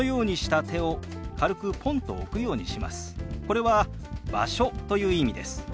これは「場所」という意味です。